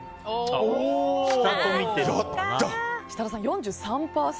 設楽さん４３％。